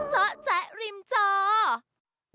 เจ้าแจ๊ะริมเจ้า